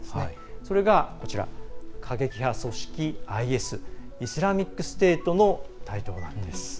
それが、過激派組織ＩＳ＝イスラミックステートの台頭なんです。